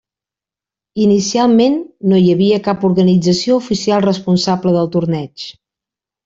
Inicialment, no hi havia cap organització oficial responsable del torneig.